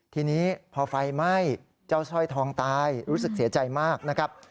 ทีนี้พอไฟไหม้เจ้าสร้อยทองตายรู้สึกเสียใจมากนะครับ